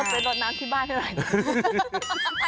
ไปลดน้ำที่บ้านให้หน่อย